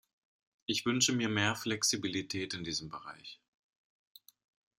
Ich wünsche mir mehr Flexibilität in diesem Bereich.